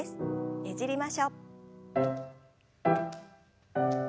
ねじりましょう。